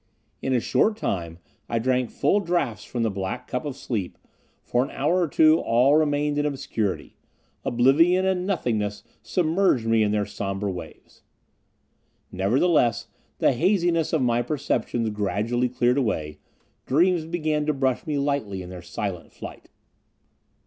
In a short time I drank full draughts from the black cup of sleep; for an hour or two all remained in obscurity; Oblivion and Nothingness submerged me in their somber waves. Nevertheless the haziness of my perceptions gradually cleared away, dreams began to brush me lightly in their silent flight.